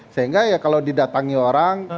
sehingga ya kalau didatangi orang